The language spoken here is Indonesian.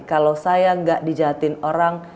kalau saya nggak dijahatin orang